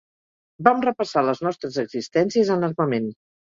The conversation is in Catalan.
Vam repassar les nostres existències en armament.